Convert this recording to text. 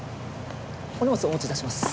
お荷物お持ち致します。